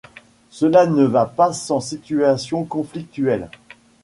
Cela ne va pas sans situations conflictuelles.